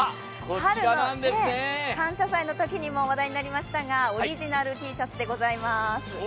春の「感謝祭」のときにも話題になりましたがオリジナルＴシャツでございます。